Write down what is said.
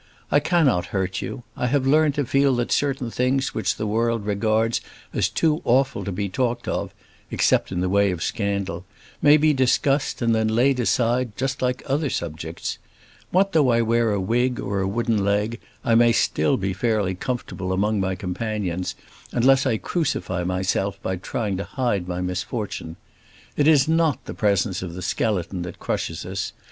I cannot hurt you. I have learned to feel that certain things which the world regards as too awful to be talked of, except in the way of scandal, may be discussed and then laid aside just like other subjects. What though I wear a wig or a wooden leg, I may still be fairly comfortable among my companions unless I crucify myself by trying to hide my misfortune. It is not the presence of the skeleton that crushes us.